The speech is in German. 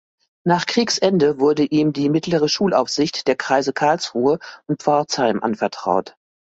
Nach Kriegsende wurde ihm die mittlere Schulaufsicht der Kreise Karlsruhe und Pforzheim anvertraut.